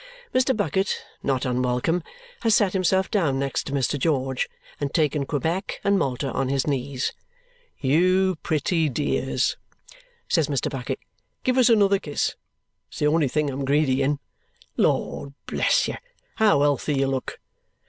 Mr. Bucket, not unwelcome, has sat himself down next to Mr. George and taken Quebec and Malta on his knees. "You pretty dears," says Mr. Bucket, "give us another kiss; it's the only thing I'm greedy in. Lord bless you, how healthy you look!